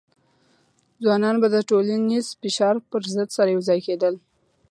ځوانان به د ټولنیز فشار پر ضد سره یوځای کېدل.